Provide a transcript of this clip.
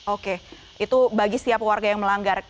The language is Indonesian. oke itu bagi setiap warga yang melanggar